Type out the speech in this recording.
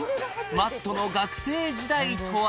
Ｍａｔｔの学生時代とは？